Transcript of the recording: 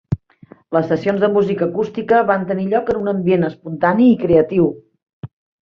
Les sessions de música acústica van tenir lloc en un ambient espontani i creatiu.